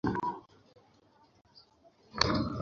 জিজ্ঞেস করো তাকে!